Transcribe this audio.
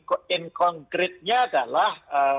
yang konkretnya adalah